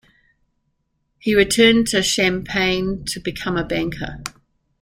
He returned to Champaign to become a banker.